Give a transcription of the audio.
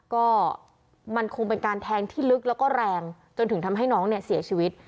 ก็มันคงเป็นการแทงที่ลึกแล้วก็แรงจนถึงทำให้น้องเนี่ยเสียชีวิต